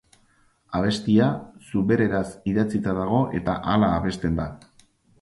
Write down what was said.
Abestia zubereraz idatzita dago eta hala abesten da.